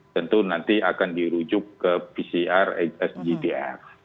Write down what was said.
tentu nanti akan dirujuk ke pcr sgtf